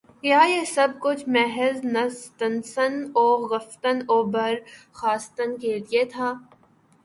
کیا یہ سب کچھ محض نشستن و گفتن و برخاستن کے لیے تھا؟